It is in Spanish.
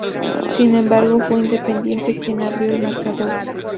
Sin embargo, fue Independiente quien abrió el marcador.